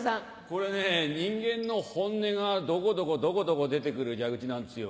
これね人間の本音がドコドコドコドコ出てくる蛇口なんですよ。